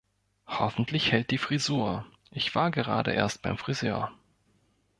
Hoffentlich hält die Frisur, ich war gerade erst beim Friseur.